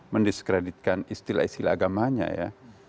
mendiskreditkan istilah istilah agamanya ya